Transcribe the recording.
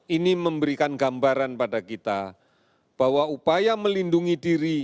ini memberikan gambaran pada kita bahwa upaya melindungi diri